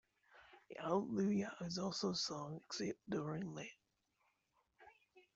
The Alleluia is also sung, except during Lent.